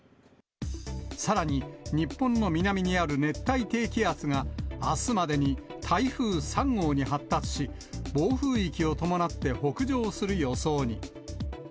さらに日本の南にある熱帯低気圧が、あすまでに台風３号に発達し、暴風域を伴って北上する予想に。